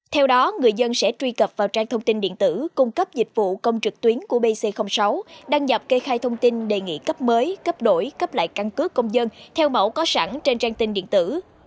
theo đó người dân sẽ truy cập vào trang thông tin điện tử cung cấp dịch vụ công trực tuyến của pc sáu đăng nhập kê khai thông tin đề nghị cấp mới cấp đổi cấp lại căn cước công dân theo mẫu có sẵn trên trang tin điện tử